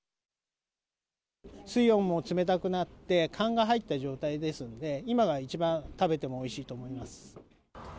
水温も冷たくなって、寒が入った状態ですので、今が一番、食べてもおいしいと思います。